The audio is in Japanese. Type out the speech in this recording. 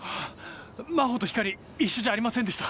真帆と光莉一緒じゃありませんでした？